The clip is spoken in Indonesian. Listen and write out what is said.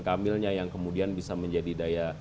kang emilnya yang kemudian bisa menjadi daya